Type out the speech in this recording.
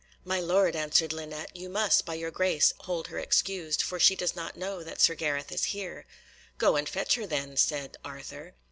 "My lord," answered Linet, "you must, by your grace, hold her excused, for she does not know that Sir Gareth is here." "Go and fetch her, then," said Arthur.